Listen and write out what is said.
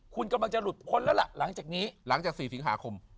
คุณกำลังจะหลุดพ้นแล้วล่ะหลังจากนี้หลังจาก๔สิงหาคม